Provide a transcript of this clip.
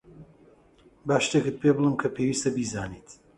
با شتێکت پێبڵێم کە پێویستە بیزانیت.